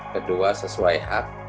kedua sesuai hak